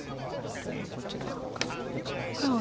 こちら一回打ちまして。